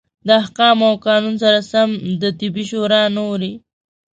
د احکامو او قانون سره سم د طبي شورا نورې